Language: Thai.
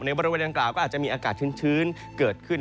บริเวณดังกล่าวก็อาจจะมีอากาศชื้นเกิดขึ้น